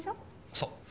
そう。